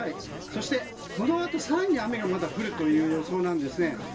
そして、このあと更に雨がまだ降る予想なんですね。